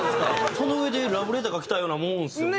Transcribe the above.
そのうえでラブレターがきたようなもんですよね。